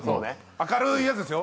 明るいやつですよ。